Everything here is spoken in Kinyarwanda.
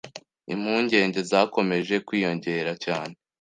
Impungenge zakomeje kwiyongera cyane